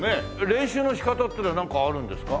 練習の仕方っていうのはなんかあるんですか？